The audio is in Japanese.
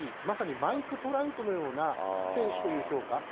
まさにマイク・トラウトのような選手という評価。